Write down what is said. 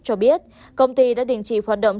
cho biết công ty đã đình chỉ hoạt động